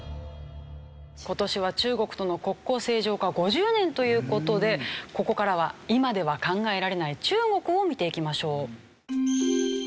今年は中国との国交正常化５０年という事でここからは今では考えられない中国を見ていきましょう。